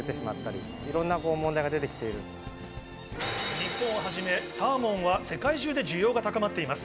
日本をはじめ、サーモンは世界中で需要が高まっています。